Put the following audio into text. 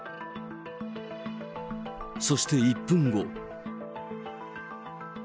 そして１分後。